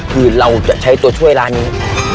คือเราจะใช้ตัวช่วยร้านนี้